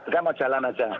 saya mau jalan saja